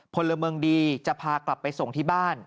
พลเมืองดีจะพากลับไปส่งที่บ้าน